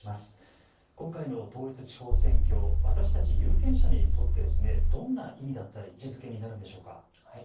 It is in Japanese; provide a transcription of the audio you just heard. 今回の統一地方選挙、私たち有権者にとってどんな意味だったり位置づけになるんでしょうか。